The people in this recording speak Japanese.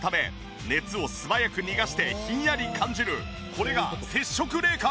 これが接触冷感！